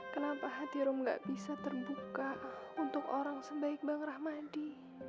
kenapa hati rom gak bisa terbuka untuk orang sebaik bang rahmadi